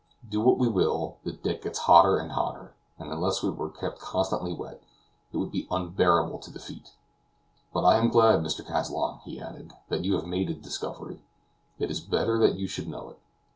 Do what we will, the deck gets hotter and hotter, and unless it were kept constantly wet, it would be unbearable to the feet. But I am glad, Mr. Kazallon," he added; "that you have made the discovery. It is better that you should know it."